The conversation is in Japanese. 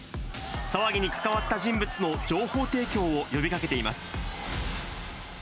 騒ぎに関わった人物の情報提供を呼びかけています。